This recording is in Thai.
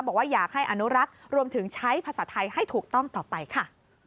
บอกว่าอยากให้อนุรักษ์รวมถึงใช้ภาษาไทยให้ถูกต้องต่อไปค่ะ